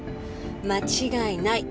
間違いない。